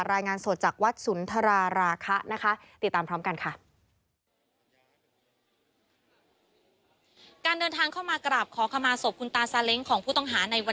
รายงานสดจากวัดศูนย์ธรราราคะนะคะ